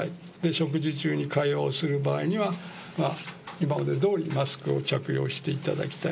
食事中に会話をする場合には、今までどおり、マスクを着用していただきたい。